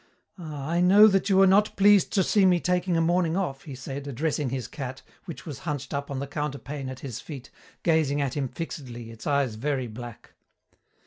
"Ah, I know that you are not pleased to see me taking a morning off," he said, addressing his cat, which was hunched up on the counterpane at his feet, gazing at him fixedly, its eyes very black.